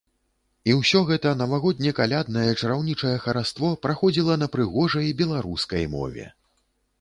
І ўсё гэта навагодне-каляднае чараўнічае хараство праходзіла на прыгожай беларускай мове.